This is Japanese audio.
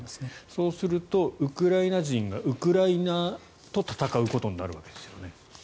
そうするとウクライナ人がウクライナと戦うことになるわけですよね。